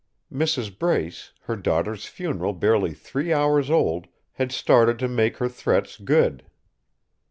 Mrs. Brace, her daughter's funeral barely three hours old, had started to make her threats good.